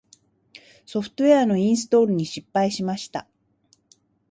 ソフトウェアのインストールに失敗しました。